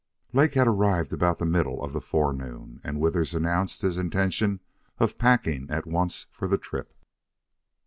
Lake had arrived about the middle of the forenoon, and Withers announced his intention of packing at once for the trip.